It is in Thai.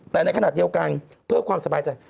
แต่ในขณะเดียวกันเพื่อความสบายใจ